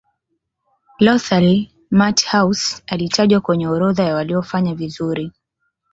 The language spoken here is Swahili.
lothar matthaus alitajwa kwenye orodha ya waliofanya vizuri